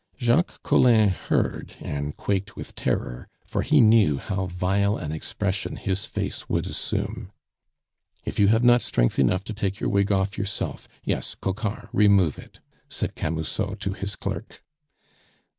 Jacques Collin heard, and quaked with terror, for he knew how vile an expression his face would assume. "If you have not strength enough to take your wig off yourself Yes, Coquart, remove it," said Camusot to his clerk.